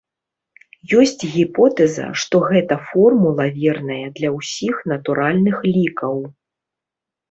Ёсць гіпотэза, што гэта формула верная для ўсіх натуральных лікаў.